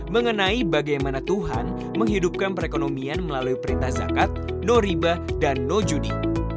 mengenai bagaimana tuhan menghidupkan perekonomian melalui perintah zakat no riba dan no judi